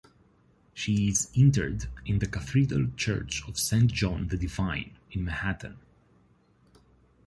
She is interred in the Cathedral Church of Saint John the Divine in Manhattan.